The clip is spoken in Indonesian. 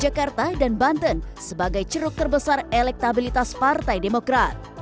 jakarta dan banten sebagai ceruk terbesar elektabilitas partai demokrat